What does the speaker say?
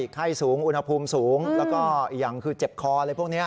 ไข้สูงอุณหภูมิสูงแล้วก็อีกอย่างคือเจ็บคออะไรพวกนี้